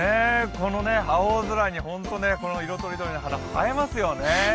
この青空に色とりどりの花、映えますよね。